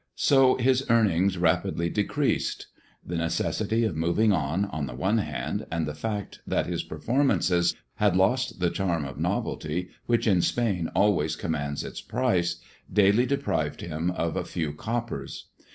So his earnings rapidly decreased. The necessity of moving on, on the one hand, and the fact that his performances had lost the charm of novelty, which in Spain always commands its price, daily deprived him of a few coppers.